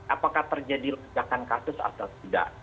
apakah terjadi lonjakan kasus atau tidak